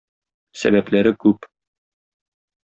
Сәбәпләре күп.